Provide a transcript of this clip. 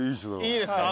いいですか？